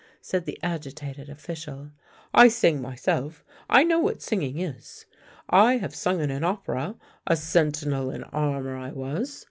" said the agitated official. " I sing myself. I know what singing is. I have sung in an opera — a sentinel in armour I was.